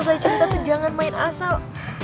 sosai cinta tuh jangan main asal